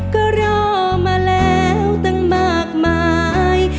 ก็รอมาแล้วตั้งมากมาย